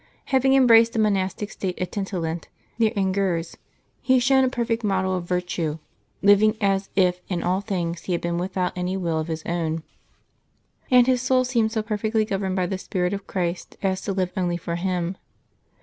Having embraced the monastic state at Tintillant, near Angers, he shone a perfect model of virtue, living as if in all things he had been without any will of his own; and his soul seemed so perfectly gov erned by the spirit of Christ as to live only for Him.